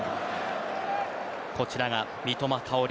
こちらが三笘薫。